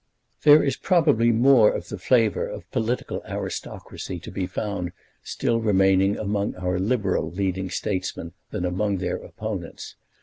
There is probably more of the flavour of political aristocracy to be found still remaining among our liberal leading statesmen than among their opponents.